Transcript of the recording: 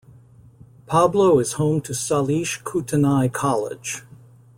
Pablo is home to Salish Kootenai College.